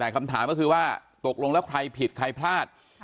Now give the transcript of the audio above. แต่คำถามก็คือว่าตกลงแล้วใครผิดใครพลาด